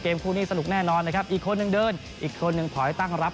คู่นี้สนุกแน่นอนนะครับอีกคนนึงเดินอีกคนหนึ่งถอยตั้งรับ